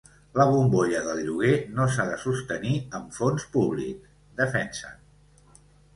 La bombolla del lloguer no s’ha de sostenir amb fons públics, defensen.